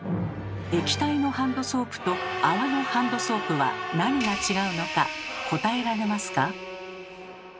液体のハンドソープと泡のハンドソープは何が違うのか答えられますか？